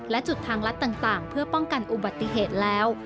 และจุดทางลัดต่างเพื่อป้องกันอุบัติเหตุแล้ว